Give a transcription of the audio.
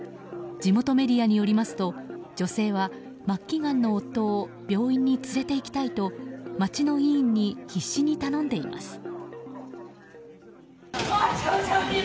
地元メディアによりますと女性は、末期がんの夫を病院に連れていきたいと街の委員に必死に頼んでいます。